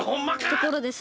ところでさ